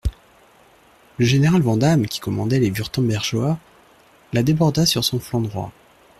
Le général Vandamme, qui commandait les Wurtembergeois, la déborda sur son flanc droit.